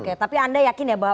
oke tapi anda yakin ya bahwa